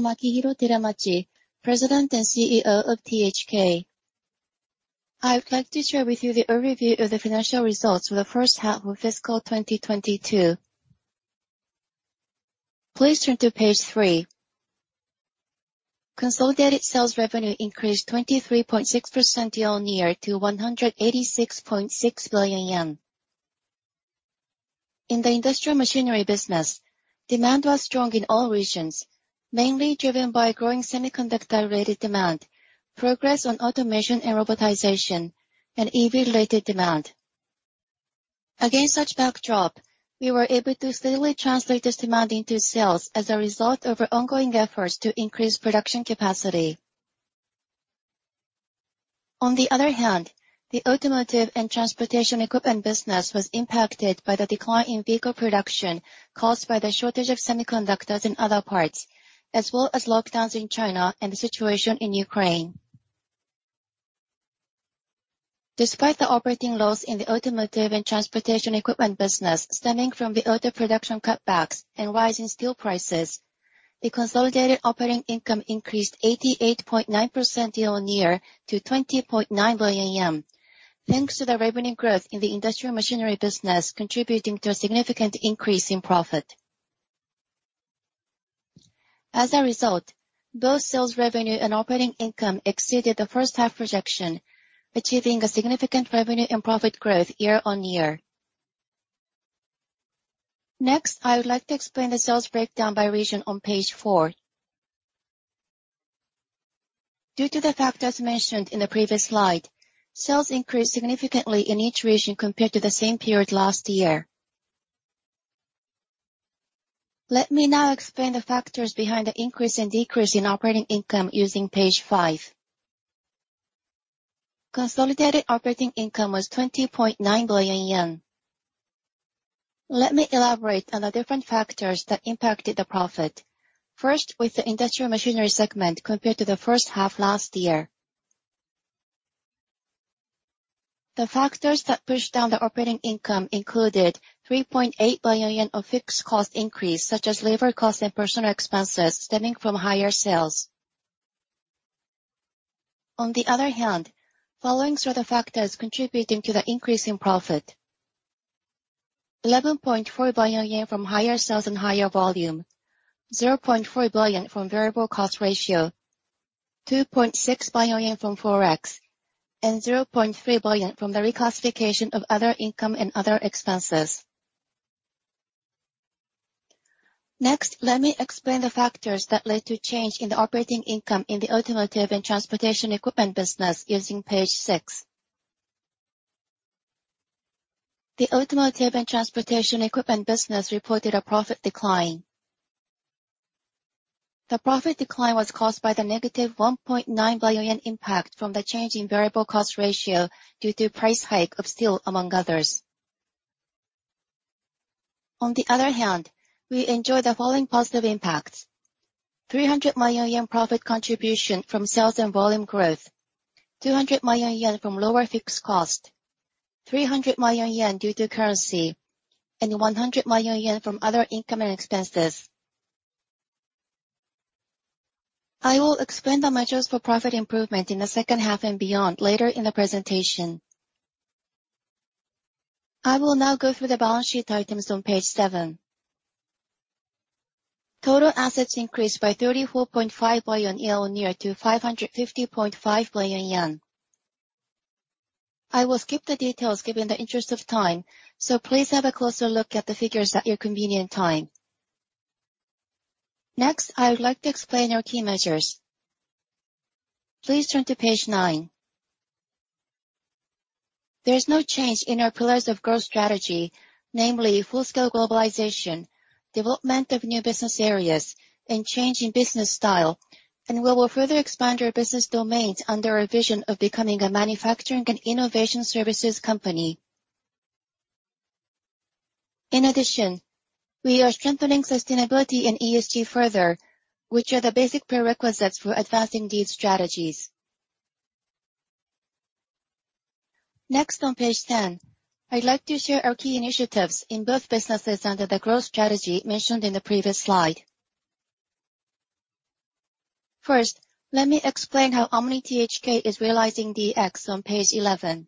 I am Akihiro Teramachi, President and CEO of THK. I would like to share with you the overview of the financial results for the first half of fiscal 2022. Please turn to page three. Consolidated sales revenue increased 23.6% year-on-year to 186.6 billion yen. In the Industrial Machinery business, demand was strong in all regions, mainly driven by growing semiconductor-related demand, progress on automation and robotization, and EV-related demand. Against such backdrop, we were able to steadily translate this demand into sales as a result of our ongoing efforts to increase production capacity. On the other hand, the Automotive & Transportation equipment business was impacted by the decline in vehicle production caused by the shortage of semiconductors and other parts, as well as lockdowns in China and the situation in Ukraine. Despite the operating loss in the Automotive & Transportation equipment business stemming from the auto production cutbacks and rise in steel prices, the consolidated operating income increased 88.9% year-on-year to 20.9 billion yen, thanks to the revenue growth in the Industrial Machinery business contributing to a significant increase in profit. As a result, both sales revenue and operating income exceeded the first half projection, achieving a significant revenue and profit growth year-on-year. Next, I would like to explain the sales breakdown by region on page four. Due to the factors mentioned in the previous slide, sales increased significantly in each region compared to the same period last year. Let me now explain the factors behind the increase and decrease in operating income using page five. Consolidated operating income was 20.9 billion yen. Let me elaborate on the different factors that impacted the profit. First, with the Industrial Machinery segment compared to the first half last year. The factors that pushed down the operating income included 3.8 billion yen of fixed cost increase, such as labor cost and personal expenses stemming from higher sales. On the other hand, following are the factors contributing to the increase in profit. 11.4 billion yen from higher sales and higher volume. 0.4 billion from variable cost ratio. 2.6 billion yen from forex. And 0.3 billion from the reclassification of other income and other expenses. Next, let me explain the factors that led to change in the operating income in the Automotive & Transportation equipment business using page 6. The Automotive & Transportation equipment business reported a profit decline. The profit decline was caused by the negative 1.9 billion yen impact from the change in variable cost ratio due to price hike of steel, among others. On the other hand, we enjoy the following positive impacts. 300 million yen profit contribution from sales and volume growth. 200 million yen from lower fixed cost. 300 million yen due to currency. 100 million yen from other income and expenses. I will explain the measures for profit improvement in the second half and beyond later in the presentation. I will now go through the balance sheet items on page seven. Total assets increased by 34.5 billion yen year-on-year to 550.5 billion yen. I will skip the details in the interest of time, so please have a closer look at the figures at your convenience. Next, I would like to explain our key measures. Please turn to page nine. There is no change in our pillars of growth strategy, namely full-scale globalization, development of new business areas, and change in business style. We will further expand our business domains under our vision of becoming a manufacturing and innovation services company. In addition, we are strengthening sustainability and ESG further, which are the basic prerequisites for advancing these strategies. Next on page 10, I'd like to share our key initiatives in both businesses under the growth strategy mentioned in the previous slide. First, let me explain how Omni THK is realizing DX on page 11.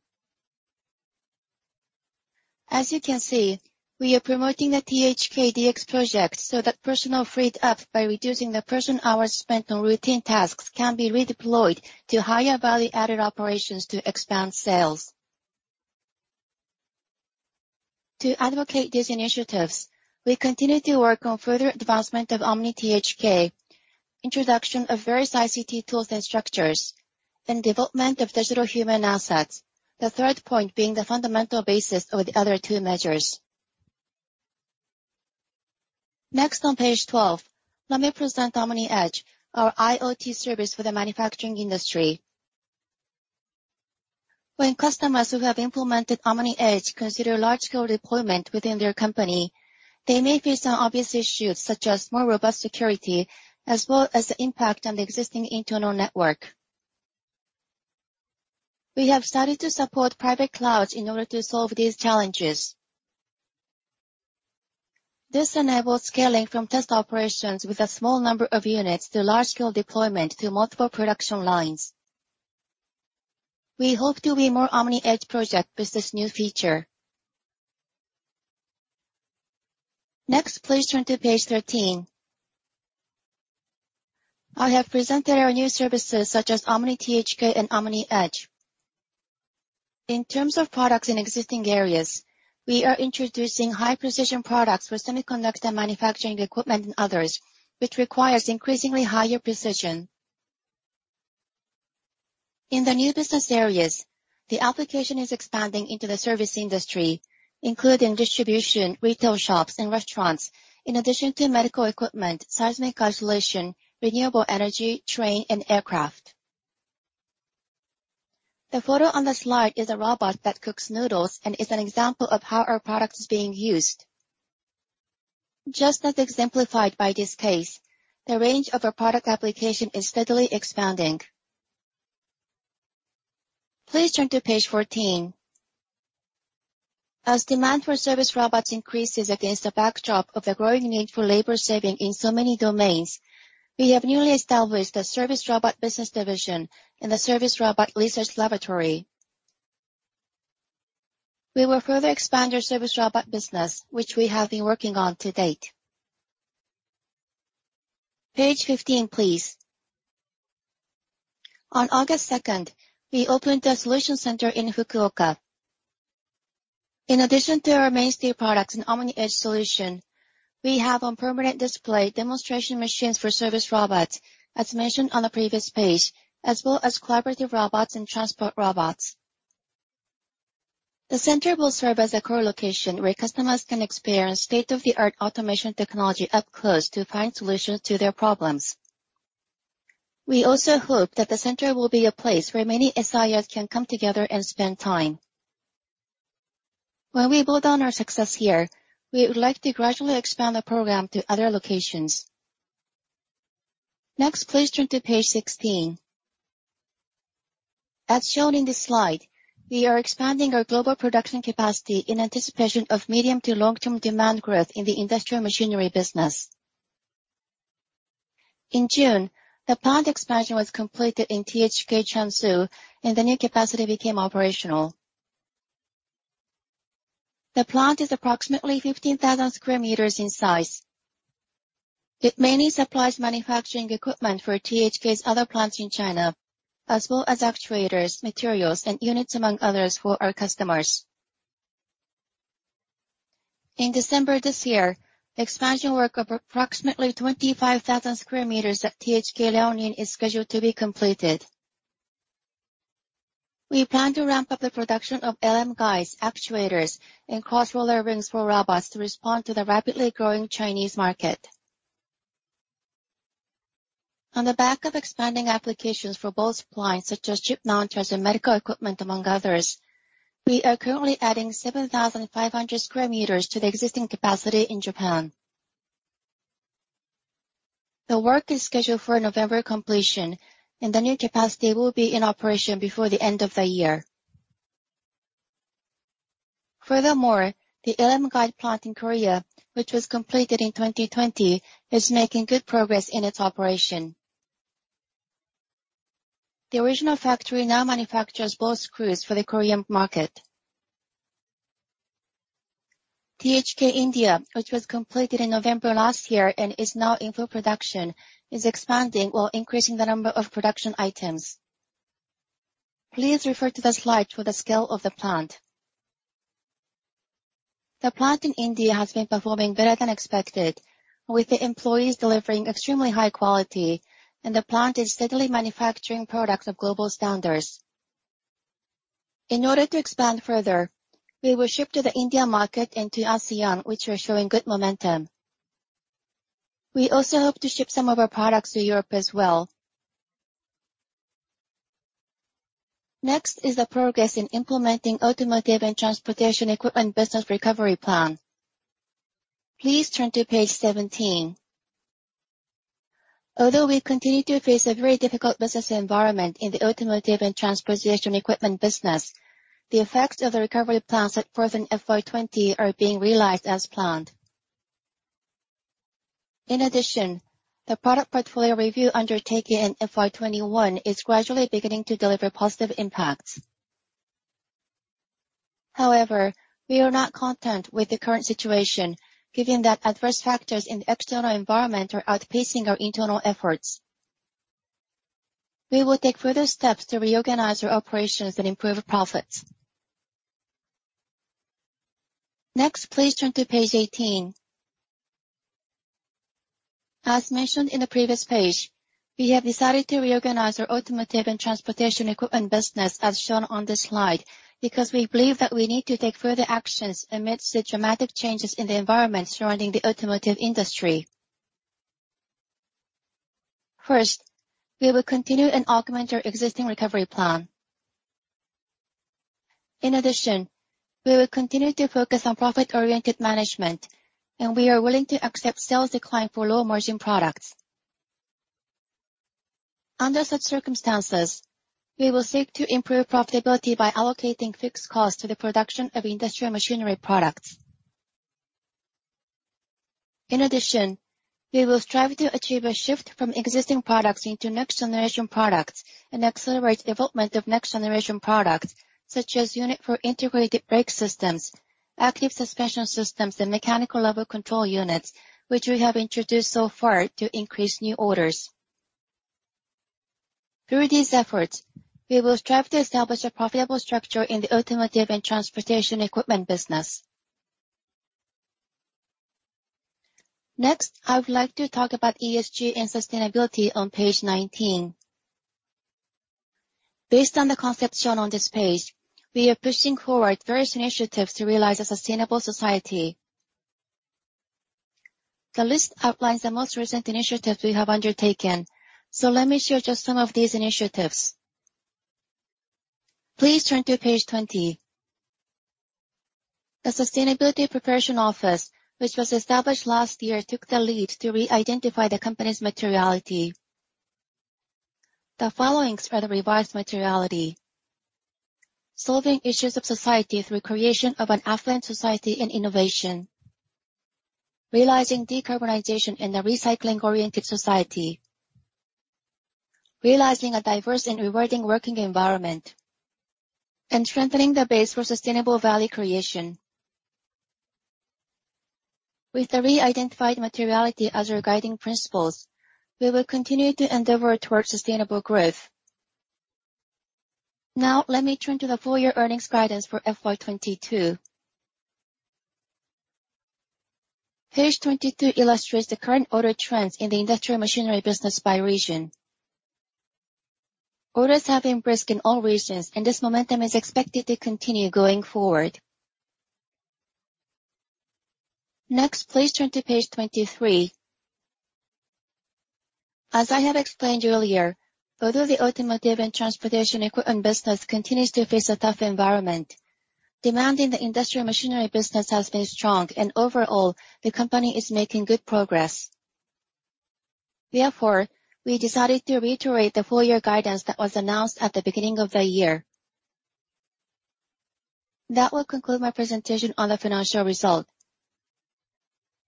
As you can see, we are promoting the THK DX project so that personnel freed up by reducing the person-hours spent on routine tasks can be redeployed to higher value-added operations to expand sales. To advocate these initiatives, we continue to work on further advancement of Omni THK, introduction of various ICT tools and structures, and development of digital human assets, the third point being the fundamental basis of the other two measures. Next on page 12, let me present OMNIedge, our IoT service for the manufacturing industry. When customers who have implemented OMNIedge consider large-scale deployment within their company, they may face some obvious issues, such as more robust security, as well as the impact on the existing internal network. We have started to support private clouds in order to solve these challenges. This enables scaling from test operations with a small number of units to large-scale deployment to multiple production lines. We hope to advance the OMNIedge project with this new feature. Next, please turn to page 13. I have presented our new services such as Omni THK and OMNIedge. In terms of products in existing areas, we are introducing high-precision products for semiconductor manufacturing equipment and others, which requires increasingly higher precision. In the new business areas, the application is expanding into the service industry, including distribution, retail shops and restaurants, in addition to medical equipment, seismic isolation, renewable energy, train and aircraft. The photo on the slide is a robot that cooks noodles and is an example of how our product is being used. Just as exemplified by this case, the range of our product application is steadily expanding. Please turn to page 14. As demand for service robots increases against the backdrop of the growing need for labor saving in so many domains, we have newly established a service robot business division and a service robot research laboratory. We will further expand our service robot business, which we have been working on to date. Page 15, please. On August second, we opened a solution center in Fukuoka. In addition to our mainstay products and OMNIedge solution, we have on permanent display demonstration machines for service robots, as mentioned on the previous page, as well as collaborative robots and transport robots. The center will serve as a core location where customers can experience state-of-the-art automation technology up close to find solutions to their problems. We also hope that the center will be a place where many SI-ers can come together and spend time. When we build on our success here, we would like to gradually expand the program to other locations. Next, please turn to page 16. As shown in this slide, we are expanding our global production capacity in anticipation of medium to long-term demand growth in the Industrial Machinery business. In June, the plant expansion was completed in THK Changzhou, and the new capacity became operational. The plant is approximately 15,000 sq m in size. It mainly supplies manufacturing equipment for THK's other plants in China, as well as actuators, materials, and units, among others, for our customers. In December this year, expansion work of approximately 25,000 square meters at THK Liaoning is scheduled to be completed. We plan to ramp up the production of LM Guides, actuators, and Cross-Roller Rings for robots to respond to the rapidly growing Chinese market. On the back of expanding applications for both supplies such as chip mounter and medical equipment, among others, we are currently adding 7,500 sq m to the existing capacity in Japan. The work is scheduled for November completion, and the new capacity will be in operation before the end of the year. Furthermore, the LM Guide plant in Korea, which was completed in 2020, is making good progress in its operation. The original factory now manufactures Ball Screws for the Korean market. THK India, which was completed in November last year and is now in full production, is expanding while increasing the number of production items. Please refer to the slide for the scale of the plant. The plant in India has been performing better than expected, with the employees delivering extremely high quality, and the plant is steadily manufacturing products of global standards. In order to expand further, we will ship to the India market and to ASEAN, which are showing good momentum. We also hope to ship some of our products to Europe as well. Next is the progress in implementing Automotive & Transportation equipment business recovery plan. Please turn to page 17. Although we continue to face a very difficult business environment in the Automotive & Transportation equipment business, the effects of the recovery plans set forth in FY 2020 are being realized as planned. In addition, the product portfolio review undertaken in FY 2021 is gradually beginning to deliver positive impacts. However, we are not content with the current situation, given that adverse factors in the external environment are outpacing our internal efforts. We will take further steps to reorganize our operations and improve profits. Next, please turn to page 18. As mentioned in the previous page, we have decided to reorganize our Automotive & Transportation equipment business as shown on this slide, because we believe that we need to take further actions amidst the dramatic changes in the environment surrounding the automotive industry. First, we will continue and augment our existing recovery plan. In addition, we will continue to focus on profit-oriented management, and we are willing to accept sales decline for low-margin products. Under such circumstances, we will seek to improve profitability by allocating fixed costs to the production of Industrial Machinery products. In addition, we will strive to achieve a shift from existing products into next-generation products and accelerate development of next-generation products, such as unit for integrated brake systems, active suspension systems, and mechanical level control units, which we have introduced so far to increase new orders. Through these efforts, we will strive to establish a profitable structure in the Automotive & Transportation equipment business. Next, I would like to talk about ESG and sustainability on page 19. Based on the concept shown on this page, we are pushing forward various initiatives to realize a sustainable society. The list outlines the most recent initiatives we have undertaken, so let me share just some of these initiatives. Please turn to page 20. The Sustainability Promotion Office, which was established last year, took the lead to re-identify the company's materiality. The following are the revised materiality. Solving issues of society through creation of an affluent society and innovation, realizing decarbonization in a recycling-oriented society, realizing a diverse and rewarding working environment, and strengthening the base for sustainable value creation. With the re-identified materiality as our guiding principles, we will continue to endeavor towards sustainable growth. Now let me turn to the full-year earnings guidance for FY 2022. Page 22 illustrates the current order trends in the Industrial Machinery business by region. Orders have been brisk in all regions, and this momentum is expected to continue going forward. Next, please turn to page 23. As I have explained earlier, although the Automotive & Transportation equipment business continues to face a tough environment, demand in the Industrial Machinery business has been strong, and overall, the company is making good progress. Therefore, we decided to reiterate the full-year guidance that was announced at the beginning of the year. That will conclude my presentation on the financial result.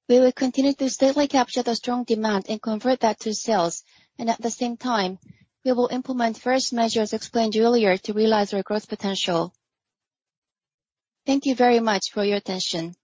We will continue to steadily capture the strong demand and convert that to sales, and at the same time, we will implement first measures explained earlier to realize our growth potential. Thank you very much for your attention.